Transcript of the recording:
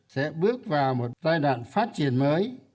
sẽ bước vào một giai đoạn phát triển mới